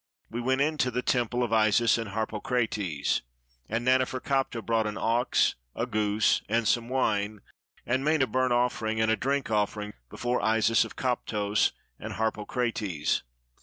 We went into the temple of Isis and Harpokrates; and Nanefer kaptah brought an ox, a goose, and some wine, and made a burnt offering and a drink offering before Isis of Koptos and Harpokrates.